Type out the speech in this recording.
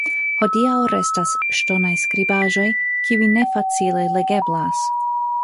Hodiaŭ restas ŝtonaj skribaĵoj, kiuj ne facile legeblas.